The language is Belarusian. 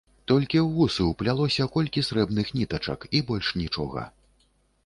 Толькі ў вусы ўплялося колькі срэбных нітачак, і больш нічога.